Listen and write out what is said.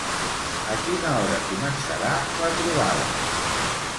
A quina hora començarà la trobada?